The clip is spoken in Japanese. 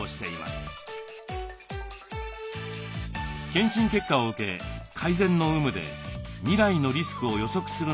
健診結果を受け改善の有無で未来のリスクを予測するのはＡＩです。